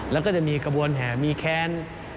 แล้วก็จะมีกระบวนแห่มีแค้น